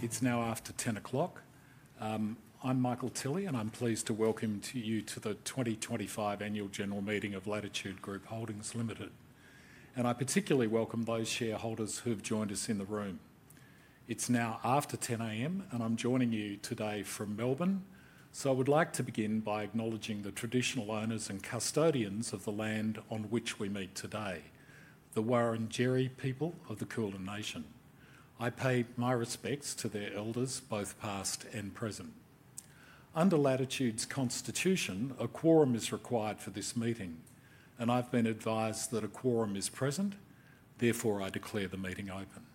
It's now after 10:00. I'm Michael Tilley, and I'm pleased to welcome you to the 2025 annual general meeting of Latitude Group Holdings Limited. I particularly welcome those shareholders who have joined us in the room. It's now after 10:00 A.M., and I'm joining you today from Melbourne. I would like to begin by acknowledging the traditional owners and custodians of the land on which we meet today, the Wurundjeri people of the Kulin Nation. I pay my respects to their elders, both past and present. Under Latitude's constitution, a quorum is required for this meeting, and I've been advised that a quorum is present. Therefore, I declare the meeting open.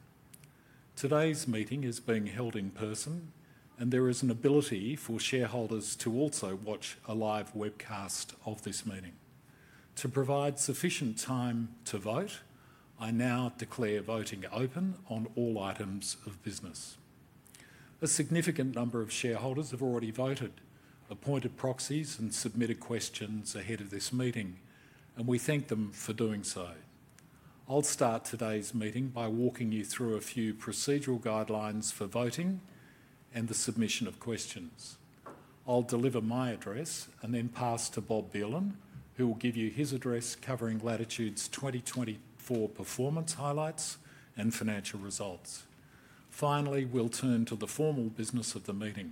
Today's meeting is being held in person, and there is an ability for shareholders to also watch a live webcast of this meeting. To provide sufficient time to vote, I now declare voting open on all items of business. A significant number of shareholders have already voted, appointed proxies, and submitted questions ahead of this meeting, and we thank them for doing so. I'll start today's meeting by walking you through a few procedural guidelines for voting and the submission of questions. I'll deliver my address and then pass to Bob Belan, who will give you his address covering Latitude's 2024 performance highlights and financial results. Finally, we'll turn to the formal business of the meeting.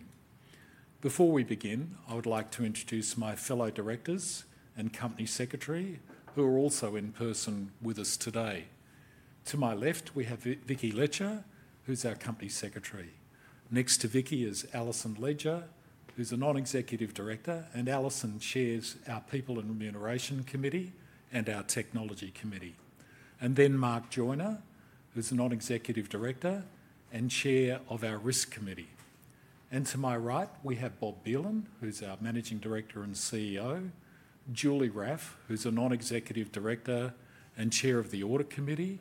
Before we begin, I would like to introduce my fellow directors and company secretary, who are also in person with us today. To my left, we have Vicki Letcher, who's our Company Secretary. Next to Vicki is Alison Ledger, who's a Non-Executive Director, and Alison chairs our People and Remuneration Committee and our Technology Committee. Mark Joiner, who's a Non-Executive Director and Chair of our Risk Committee. To my right, we have Bob Belan, who's our Managing Director and CEO, Julie Raffe, who's a Non-Executive Director and Chair of the Audit Committee,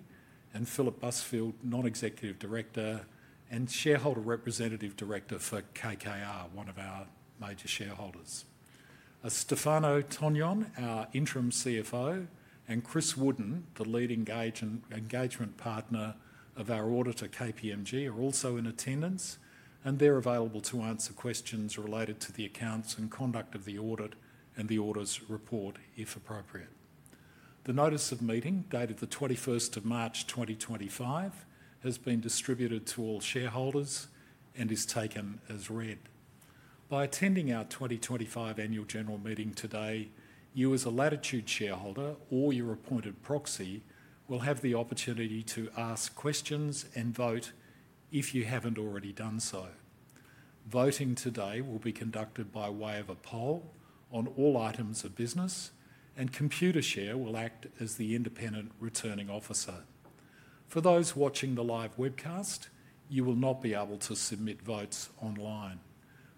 and Philip Busfield, Non-Executive Director and shareholder representative director for KKR, one of our major shareholders. Stefano Tognon, our Interim CFO, and Chris Wooden, the lead engagement partner of our auditor, KPMG, are also in attendance, and they're available to answer questions related to the accounts and conduct of the audit and the auditor's report, if appropriate. The notice of meeting dated the 21st of March 2025 has been distributed to all shareholders and is taken as read. By attending our 2025 annual general meeting today, you as a Latitude shareholder or your appointed proxy will have the opportunity to ask questions and vote if you haven't already done so. Voting today will be conducted by way of a poll on all items of business, and Computershare will act as the independent returning officer. For those watching the live webcast, you will not be able to submit votes online.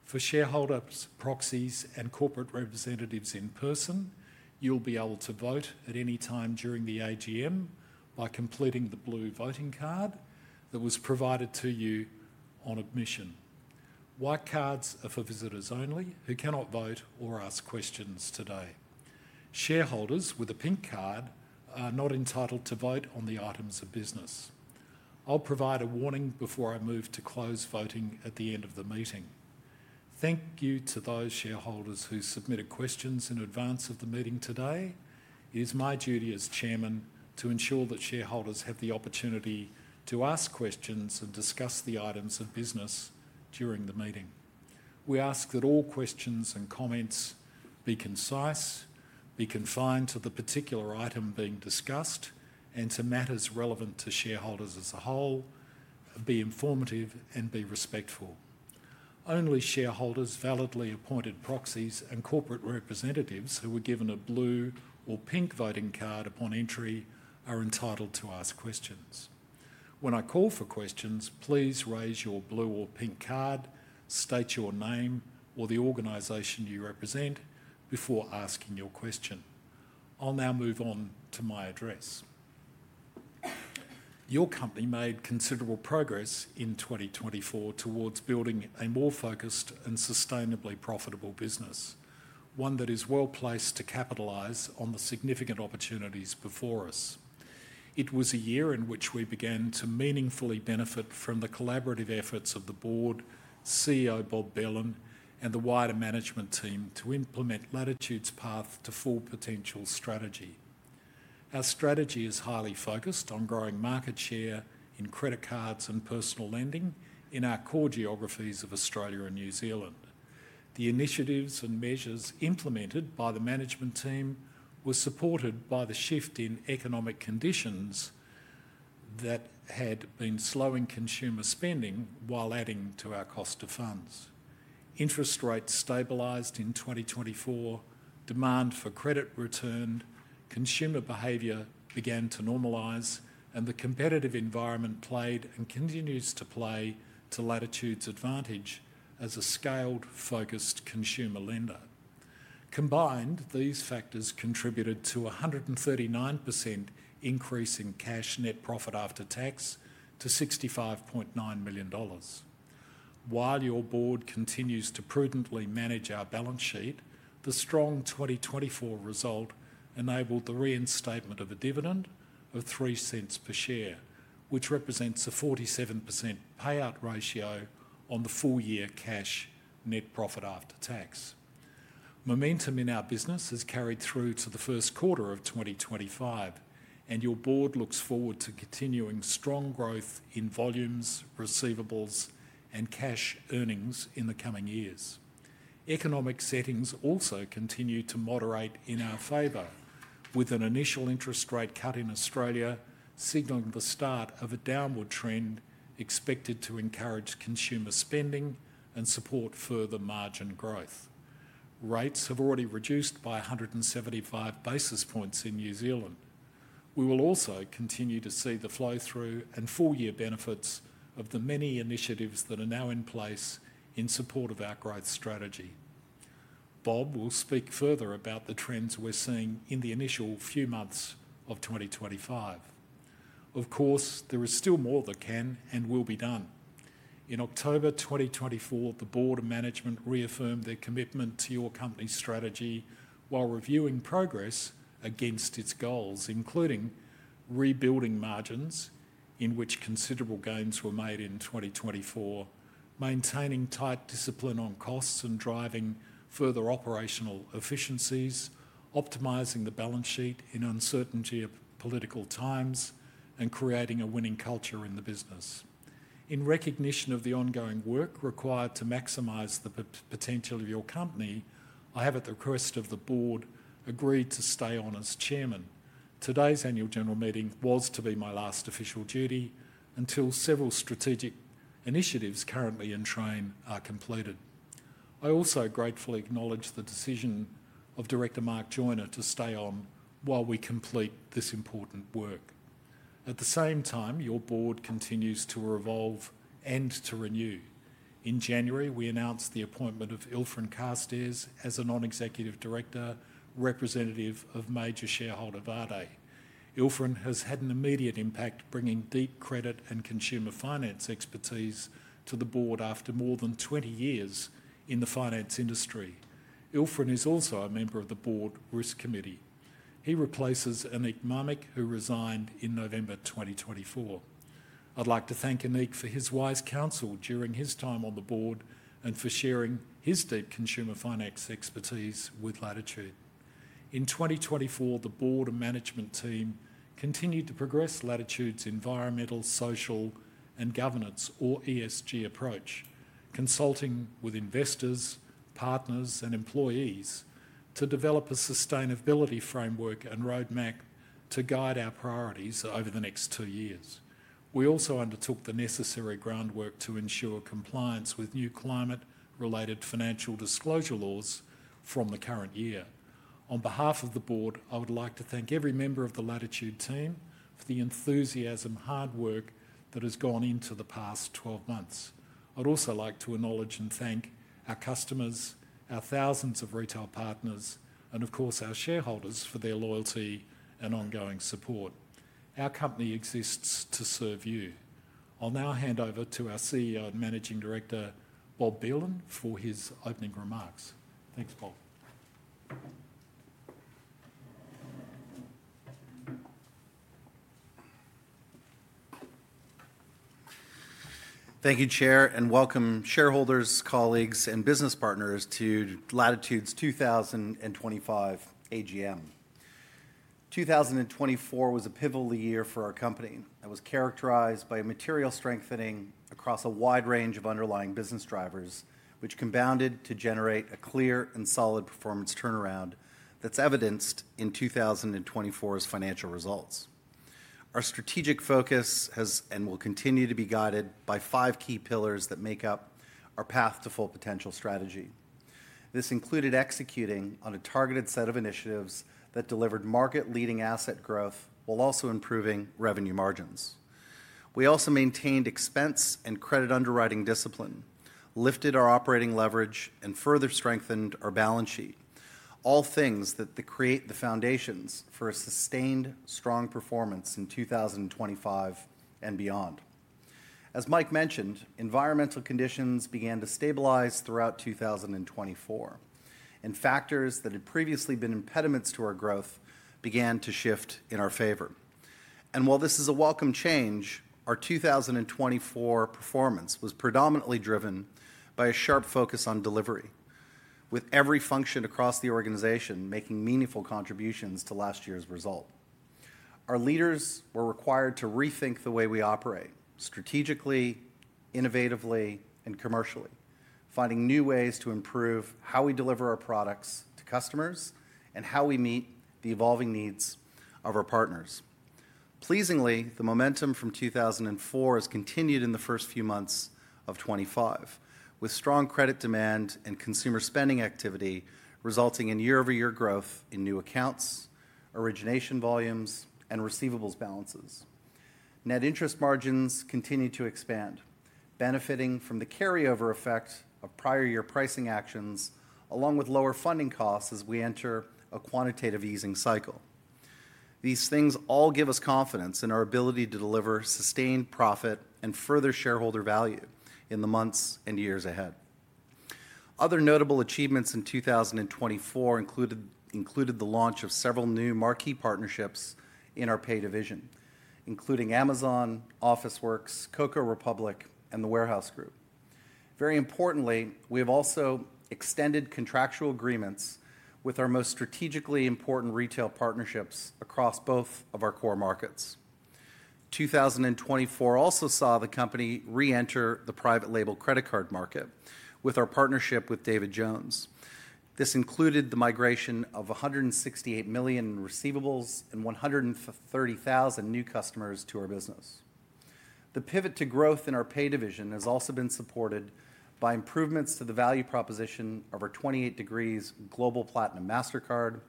For shareholders, proxies, and corporate representatives in person, you'll be able to vote at any time during the AGM by completing the blue voting card that was provided to you on admission. White cards are for visitors only who cannot vote or ask questions today. Shareholders with a pink card are not entitled to vote on the items of business. I'll provide a warning before I move to close voting at the end of the meeting. Thank you to those shareholders who submitted questions in advance of the meeting today. It is my duty as Chairman to ensure that shareholders have the opportunity to ask questions and discuss the items of business during the meeting. We ask that all questions and comments be concise, be confined to the particular item being discussed, and to matters relevant to shareholders as a whole, be informative, and be respectful. Only shareholders, validly appointed proxies, and corporate representatives who were given a blue or pink voting card upon entry are entitled to ask questions. When I call for questions, please raise your blue or pink card, state your name or the organization you represent before asking your question. I'll now move on to my address. Your company made considerable progress in 2024 towards building a more focused and sustainably profitable business, one that is well placed to capitalize on the significant opportunities before us. It was a year in which we began to meaningfully benefit from the collaborative efforts of the board, CEO Bob Belan, and the wider management team to implement Latitude's Path to Full Potential strategy. Our strategy is highly focused on growing market share in credit cards and personal lending in our core geographies of Australia and New Zealand. The initiatives and measures implemented by the management team were supported by the shift in economic conditions that had been slowing consumer spending while adding to our cost of funds. Interest rates stabilized in 2024, demand for credit returned, consumer behavior began to normalize, and the competitive environment played and continues to play to Latitude's advantage as a scaled, focused consumer lender. Combined, these factors contributed to a 139% increase in cash net profit after tax to 65.9 million dollars. While your board continues to prudently manage our balance sheet, the strong 2024 result enabled the reinstatement of a dividend of $0.03 per share, which represents a 47% payout ratio on the full year cash net profit after tax. Momentum in our business has carried through to the first quarter of 2025, and your board looks forward to continuing strong growth in volumes, receivables, and cash earnings in the coming years. Economic settings also continue to moderate in our favor, with an initial interest rate cut in Australia signaling the start of a downward trend expected to encourage consumer spending and support further margin growth. Rates have already reduced by 175 basis points in New Zealand. We will also continue to see the flow through and full year benefits of the many initiatives that are now in place in support of our growth strategy. Bob will speak further about the trends we're seeing in the initial few months of 2025. Of course, there is still more that can and will be done. In October 2024, the board of management reaffirmed their commitment to your company's strategy while reviewing progress against its goals, including rebuilding margins in which considerable gains were made in 2024, maintaining tight discipline on costs and driving further operational efficiencies, optimizing the balance sheet in uncertain geopolitical times, and creating a winning culture in the business. In recognition of the ongoing work required to maximize the potential of your company, I have at the request of the board agreed to stay on as Chairman. Today's annual general meeting was to be my last official duty until several strategic initiatives currently in train are completed. I also gratefully acknowledge the decision of Director Mark Joiner to stay on while we complete this important work. At the same time, your board continues to evolve and to renew. In January, we announced the appointment of Ilfryn Carstairs as a Non-Executive Director, representative of major shareholder Värde. Ilfryn has had an immediate impact, bringing deep credit and consumer finance expertise to the board after more than 20 years in the finance industry. Ilfryn is also a member of the board risk committee. He replaces Aneek Mamik, who resigned in November 2024. I'd like to thank Aneek for his wise counsel during his time on the board and for sharing his deep consumer finance expertise with Latitude. In 2024, the board and management team continued to progress Latitude's environmental, social, and governance, or ESG, approach, consulting with investors, partners, and employees to develop a sustainability framework and roadmap to guide our priorities over the next two years. We also undertook the necessary groundwork to ensure compliance with new climate-related financial disclosure laws from the current year. On behalf of the board, I would like to thank every member of the Latitude team for the enthusiasm and hard work that has gone into the past 12 months. I'd also like to acknowledge and thank our customers, our thousands of retail partners, and of course, our shareholders for their loyalty and ongoing support. Our company exists to serve you. I'll now hand over to our CEO and Managing Director, Bob Belan, for his opening remarks. Thanks, Bob. Thank you, Chair, and welcome shareholders, colleagues, and business partners to Latitude's 2025 AGM. 2024 was a pivotal year for our company that was characterized by material strengthening across a wide range of underlying business drivers, which compounded to generate a clear and solid performance turnaround that's evidenced in 2024's financial results. Our strategic focus has and will continue to be guided by five key pillars that make up our Path to Full Potential strategy. This included executing on a targeted set of initiatives that delivered market-leading asset growth while also improving revenue margins. We also maintained expense and credit underwriting discipline, lifted our operating leverage, and further strengthened our balance sheet, all things that create the foundations for a sustained, strong performance in 2025 and beyond. As Mike mentioned, environmental conditions began to stabilize throughout 2024, and factors that had previously been impediments to our growth began to shift in our favor. While this is a welcome change, our 2024 performance was predominantly driven by a sharp focus on delivery, with every function across the organization making meaningful contributions to last year's result. Our leaders were required to rethink the way we operate strategically, innovatively, and commercially, finding new ways to improve how we deliver our products to customers and how we meet the evolving needs of our partners. Pleasingly, the momentum from 2024 has continued in the first few months of 2025, with strong credit demand and consumer spending activity resulting in year-over-year growth in new accounts, origination volumes, and receivables balances. Net interest margins continue to expand, benefiting from the carryover effect of prior year pricing actions, along with lower funding costs as we enter a quantitative easing cycle. These things all give us confidence in our ability to deliver sustained profit and further shareholder value in the months and years ahead. Other notable achievements in 2024 included the launch of several new marquee partnerships in our Pay division, including Amazon, Officeworks, Coco Republic, and The Warehouse Group. Very importantly, we have also extended contractual agreements with our most strategically important retail partnerships across both of our core markets. 2024 also saw the company re-enter the private label credit card market with our partnership with David Jones. This included the migration of 168 million in receivables and 130,000 new customers to our business. The pivot to growth in our Pay division has also been supported by improvements to the value proposition of our 28 Degrees Global Platinum Mastercard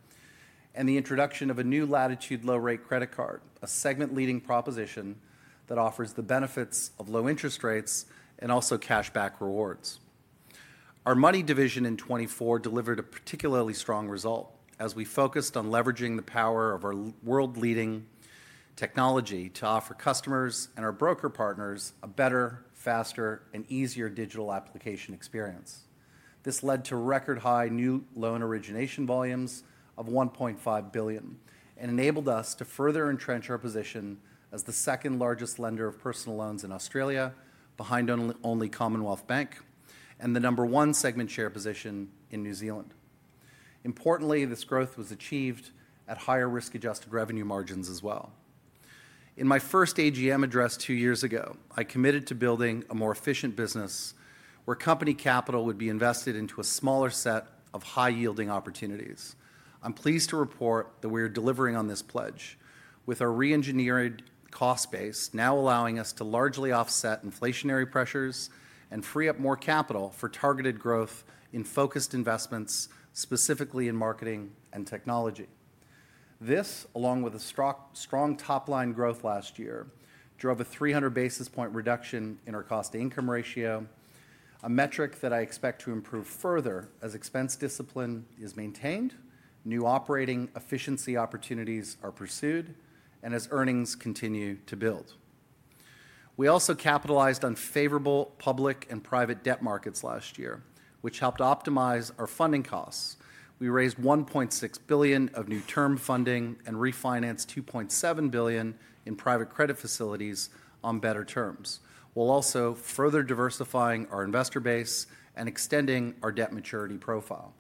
and the introduction of a new Latitude Low-Rate Credit Card, a segment-leading proposition that offers the benefits of low interest rates and also cashback rewards. Our Money division in 2024 delivered a particularly strong result as we focused on leveraging the power of our world-leading technology to offer customers and our broker partners a better, faster, and easier digital application experience. This led to record-high new loan origination volumes of 1.5 billion and enabled us to further entrench our position as the second-largest lender of personal loans in Australia, behind only Commonwealth Bank and the number one segment share position in New Zealand. Importantly, this growth was achieved at higher risk-adjusted revenue margins as well. In my first AGM address two years ago, I committed to building a more efficient business where company capital would be invested into a smaller set of high-yielding opportunities. I'm pleased to report that we are delivering on this pledge, with our re-engineered cost base now allowing us to largely offset inflationary pressures and free up more capital for targeted growth in focused investments, specifically in marketing and technology. This, along with strong top-line growth last year, drove a 300 basis point reduction in our cost-to-income ratio, a metric that I expect to improve further as expense discipline is maintained, new operating efficiency opportunities are pursued, and as earnings continue to build. We also capitalized on favorable public and private debt markets last year, which helped optimize our funding costs. We raised $1.6 billion of new term funding and refinanced $2.7 billion in private credit facilities on better terms, while also further diversifying our investor base and extending our debt maturity profile.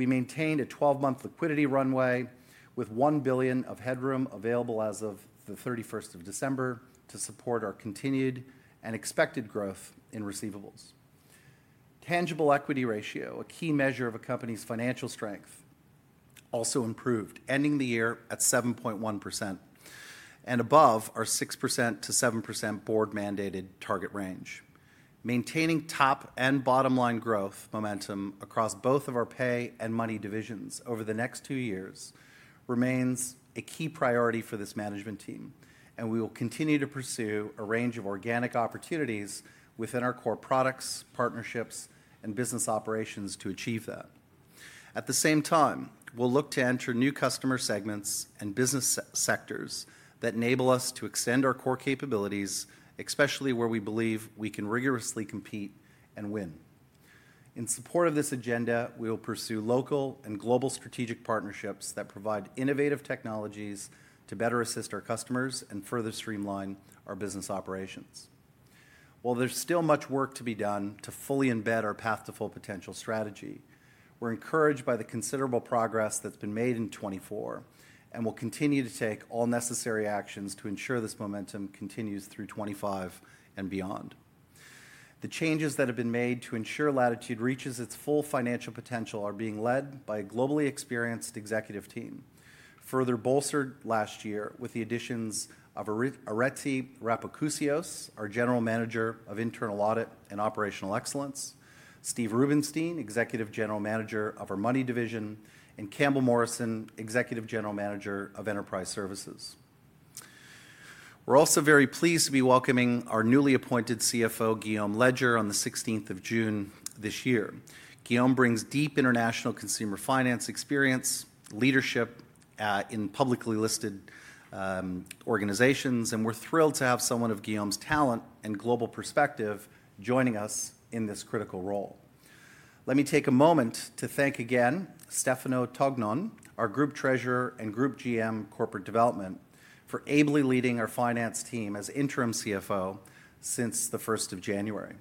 We maintained a 12-month liquidity runway with $1 billion of headroom available as of the 31st of December to support our continued and expected growth in receivables. Tangible equity ratio, a key measure of a company's financial strength, also improved, ending the year at 7.1% and above our 6%-7% board-mandated target range. Maintaining top and bottom-line growth momentum across both of our pay and money divisions over the next two years remains a key priority for this management team, and we will continue to pursue a range of organic opportunities within our core products, partnerships, and business operations to achieve that. At the same time, we'll look to enter new customer segments and business sectors that enable us to extend our core capabilities, especially where we believe we can rigorously compete and win. In support of this agenda, we will pursue local and global strategic partnerships that provide innovative technologies to better assist our customers and further streamline our business operations. While there's still much work to be done to fully embed our Path to Full Potential strategy, we're encouraged by the considerable progress that's been made in 2024 and will continue to take all necessary actions to ensure this momentum continues through 2025 and beyond. The changes that have been made to ensure Latitude reaches its full financial potential are being led by a globally experienced executive team, further bolstered last year with the additions of Areti Rapakousios, our General Manager of Internal Audit and Operational Excellence, Steve Rubinstein, Executive General Manager of our Money Division, and Campbell Morrison, Executive General Manager of Enterprise Services. We're also very pleased to be welcoming our newly appointed CFO, Guillaume Leger, on the 16th of June this year. Guillaume brings deep international consumer finance experience, leadership in publicly listed organizations, and we're thrilled to have someone of Guillaume's talent and global perspective joining us in this critical role. Let me take a moment to thank again Stefano Tognon, our Group Treasurer and Group GM, Corporate Development, for ably leading our finance team as Interim CFO since the 1st of January.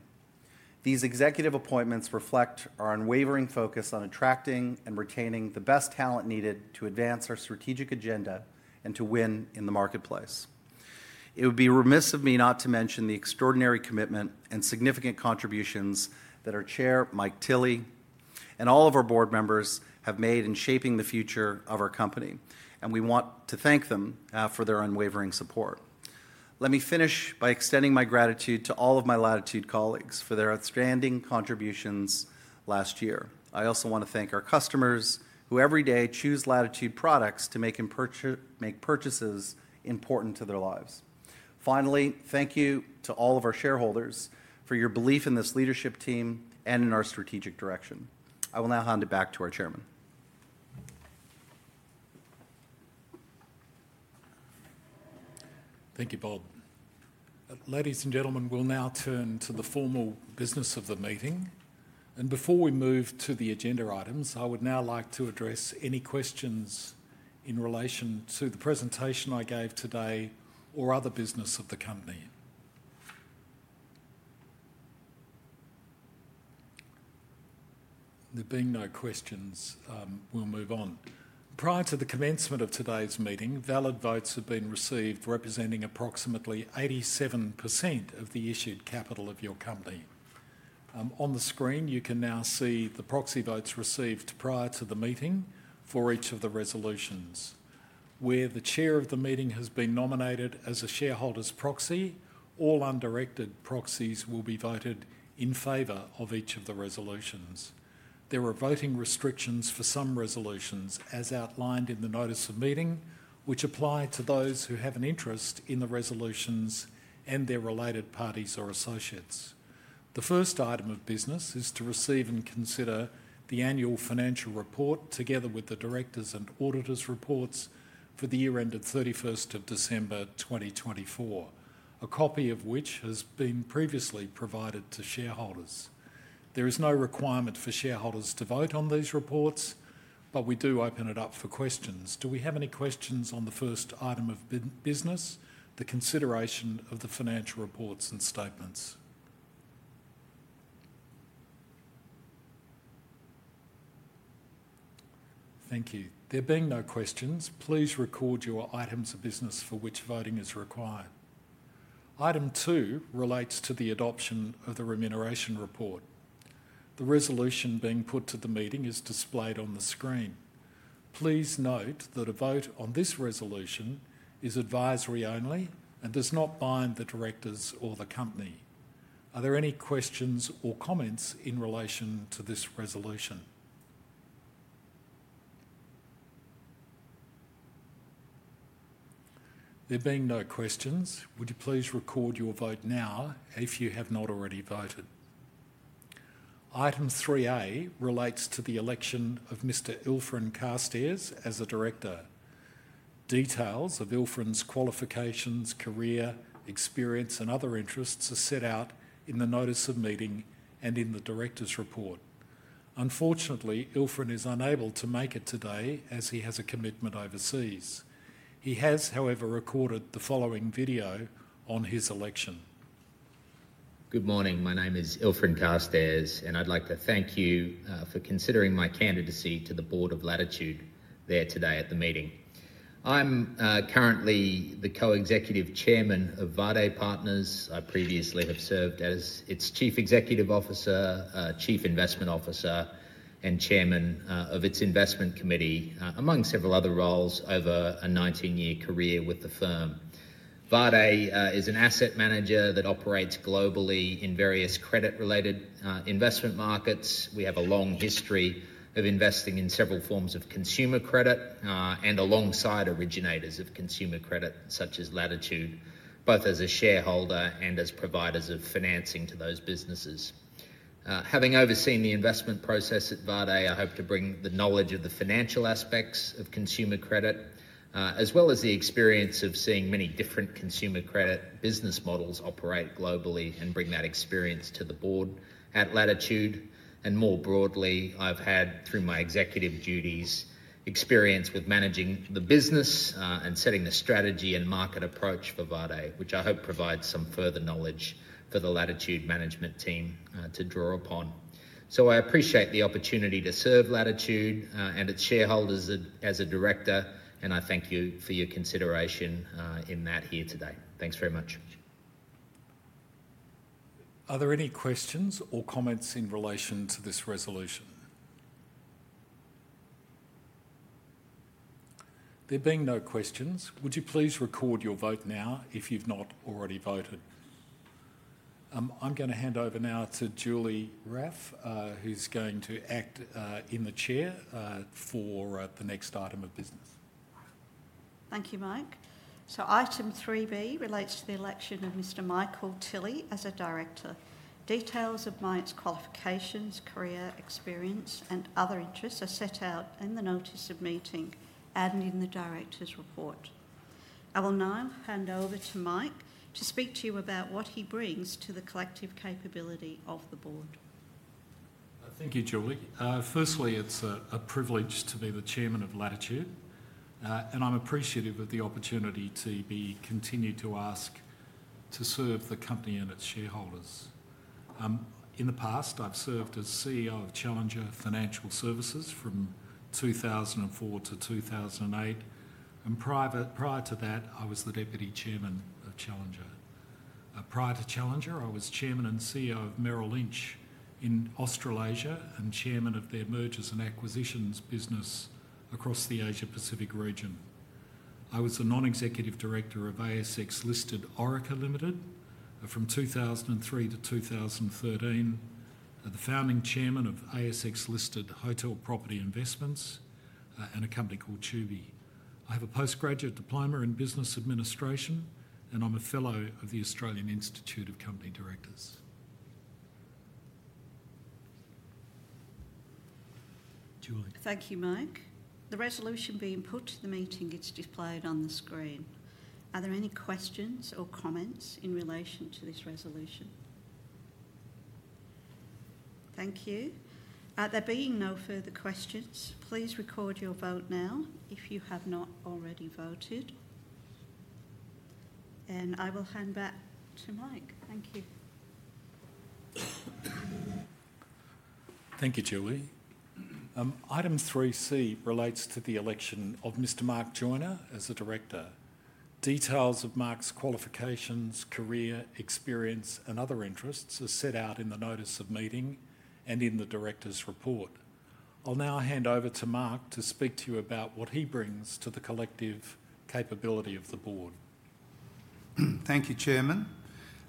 These executive appointments reflect our unwavering focus on attracting and retaining the best talent needed to advance our strategic agenda and to win in the marketplace. It would be remiss of me not to mention the extraordinary commitment and significant contributions that our Chair, Mike Tilley, and all of our board members have made in shaping the future of our company, and we want to thank them for their unwavering support. Let me finish by extending my gratitude to all of my Latitude colleagues for their outstanding contributions last year. I also want to thank our customers who every day choose Latitude products to make purchases important to their lives. Finally, thank you to all of our shareholders for your belief in this leadership team and in our strategic direction. I will now hand it back to our Chairman. Thank you, Bob. Ladies and gentlemen, we will now turn to the formal business of the meeting. Before we move to the agenda items, I would now like to address any questions in relation to the presentation I gave today or other business of the company. There being no questions, we will move on. Prior to the commencement of today's meeting, valid votes have been received representing approximately 87% of the issued capital of your company. On the screen, you can now see the proxy votes received prior to the meeting for each of the resolutions. Where the Chair of the meeting has been nominated as a shareholder's proxy, all undirected proxies will be voted in favor of each of the resolutions. There are voting restrictions for some resolutions, as outlined in the notice of meeting, which apply to those who have an interest in the resolutions and their related parties or associates. The first item of business is to receive and consider the annual financial report together with the directors' and auditors' reports for the year ended 31st of December 2024, a copy of which has been previously provided to shareholders. There is no requirement for shareholders to vote on these reports, but we do open it up for questions. Do we have any questions on the first item of business, the consideration of the financial reports and statements? Thank you. There being no questions, please record your items of business for which voting is required. Item two relates to the adoption of the remuneration report. The resolution being put to the meeting is displayed on the screen. Please note that a vote on this resolution is advisory only and does not bind the directors or the company. Are there any questions or comments in relation to this resolution? There being no questions, would you please record your vote now if you have not already voted? Item 3A relates to the election of Mr. Ilfryn Carstairs as a director. Details of Ilfryn's qualifications, career, experience, and other interests are set out in the notice of meeting and in the director's report. Unfortunately, Ilfryn is unable to make it today as he has a commitment overseas. He has, however, recorded the following video on his election. Good morning. My name is Ilfryn Carstairs, and I'd like to thank you for considering my candidacy to the Board of Latitude there today at the meeting. I'm currently the Co-Executive Chairman of Värde Partners. I previously have served as its Chief Executive Officer, Chief Investment Officer, and Chairman of its Investment Committee, among several other roles over a 19-year career with the firm. Värde is an asset manager that operates globally in various credit-related investment markets. We have a long history of investing in several forms of consumer credit and alongside originators of consumer credit, such as Latitude, both as a shareholder and as providers of financing to those businesses. Having overseen the investment process at Värde, I hope to bring the knowledge of the financial aspects of consumer credit, as well as the experience of seeing many different consumer credit business models operate globally and bring that experience to the board at Latitude. More broadly, I've had, through my executive duties, experience with managing the business and setting the strategy and market approach for Värde, which I hope provides some further knowledge for the Latitude management team to draw upon. I appreciate the opportunity to serve Latitude and its shareholders as a director, and I thank you for your consideration in that here today. Thanks very much. Are there any questions or comments in relation to this resolution? There being no questions, would you please record your vote now if you've not already voted? I'm going to hand over now to Julie Raffe, who's going to act in the Chair for the next item of business. Thank you, Mike. Item 3B relates to the election of Mr. Michael Tilley as a director. Details of Mike's qualifications, career, experience, and other interests are set out in the notice of meeting and in the director's report. I will now hand over to Mike to speak to you about what he brings to the collective capability of the board. Thank you, Julie. Firstly, it's a privilege to be the Chairman of Latitude, and I'm appreciative of the opportunity to be continued to ask to serve the company and its shareholders. In the past, I've served as CEO of Challenger Financial Services from 2004 to 2008, and prior to that, I was the Deputy Chairman of Challenger. Prior to Challenger, I was Chairman and CEO of Merrill Lynch in Australasia and Chairman of their Mergers and Acquisitions business across the Asia-Pacific region. I was the non-executive director of ASX-listed Orica Limited from 2003 to 2013, the founding Chairman of ASX-listed Hotel Property Investments, and a company called Tubi. I have a postgraduate diploma in business administration, and I'm a Fellow of the Australian Institute of Company Directors. Thank you, Mike. The resolution being put to the meeting is displayed on the screen. Are there any questions or comments in relation to this resolution? Thank you. There being no further questions, please record your vote now if you have not already voted, and I will hand back to Mike. Thank you. Thank you, Julie. Item 3C relates to the election of Mr. Mark Joiner as a director. Details of Mark's qualifications, career, experience, and other interests are set out in the notice of meeting and in the director's report. I'll now hand over to Mark to speak to you about what he brings to the collective capability of the board. Thank you, Chairman.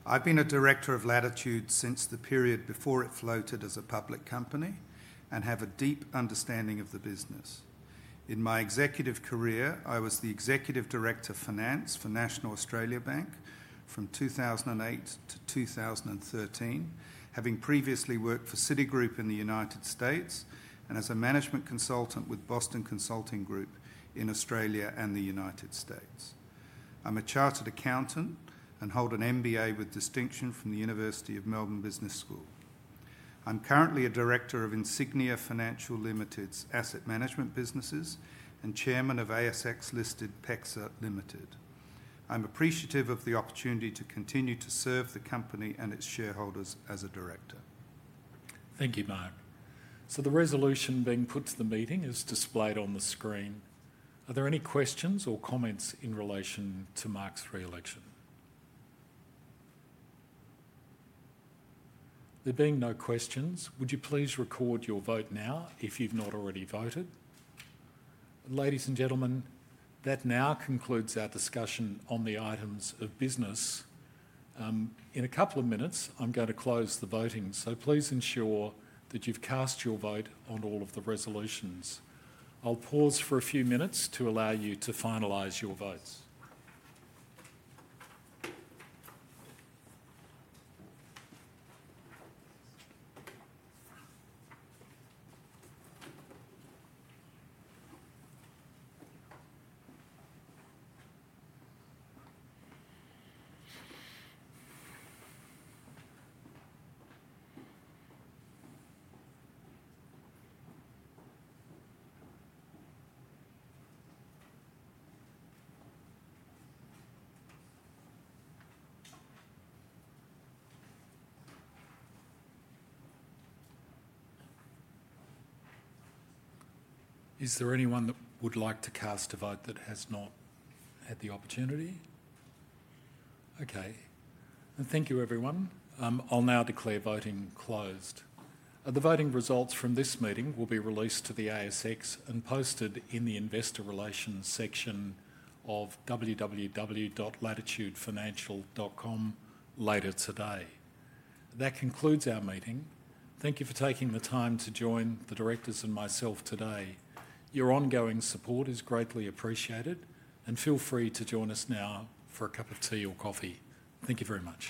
I've been a Director of Latitude since the period before it floated as a public company and have a deep understanding of the business. In my executive career, I was the Executive Director Finance for National Australia Bank from 2008 to 2013, having previously worked for Citigroup in the United States and as a management consultant with Boston Consulting Group in Australia and the United States. I'm a Chartered Accountant and hold an MBA with distinction from the University of Melbourne Business School. I'm currently a director of Insignia Financial Limited's asset management businesses and Chairman of ASX-listed PEXA Limited. I'm appreciative of the opportunity to continue to serve the company and its shareholders as a director. Thank you, Mike. The resolution being put to the meeting is displayed on the screen. Are there any questions or comments in relation to Mark's re-election? There being no questions, would you please record your vote now if you've not already voted? Ladies and gentlemen, that now concludes our discussion on the items of business. In a couple of minutes, I'm going to close the voting, so please ensure that you've cast your vote on all of the resolutions. I'll pause for a few minutes to allow you to finalise your votes. Is there anyone that would like to cast a vote that has not had the opportunity? Okay. Thank you, everyone. I'll now declare voting closed. The voting results from this meeting will be released to the ASX and posted in the Investor Relations section of www.latitudefinancial.com later today. That concludes our meeting. Thank you for taking the time to join the directors and myself today. Your ongoing support is greatly appreciated, and feel free to join us now for a cup of tea or coffee. Thank you very much.